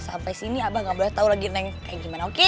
sampai sini abah gak boleh tau lagi neng kayak gimana oke